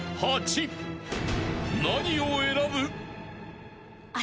［何を選ぶ？］